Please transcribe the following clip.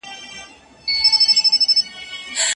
په شړپ بارانه رنځ دي ډېر سو، خدای دي ښه که راته